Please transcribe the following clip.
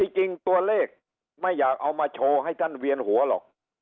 จริงตัวเลขไม่อยากเอามาโชว์ให้ท่านเวียนหัวหรอก